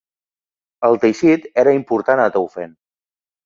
El teixit era important a Teufen.